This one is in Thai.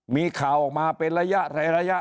มีข่าวออกมาเป็นระยะไหร่ระยะ